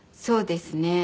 そうですね。